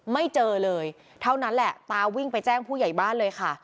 ไม่เจอเลยเท่านั้นแหละตาวิ่งไปแจ้งผู้ใหญ่บ้านเลยค่ะ